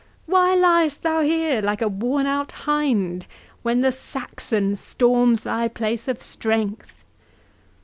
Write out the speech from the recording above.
—Why liest thou here, like a worn out hind, when the Saxon storms thy place of strength?"